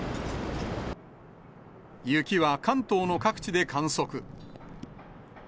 雪は関東の各地で観測。